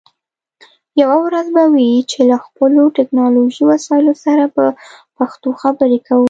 یوه ورځ به وي چې له خپلو ټکنالوژی وسایلو سره په پښتو خبرې کوو